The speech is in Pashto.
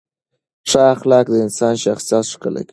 ښه اخلاق د انسان شخصیت ښکلي کوي.